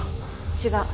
違う。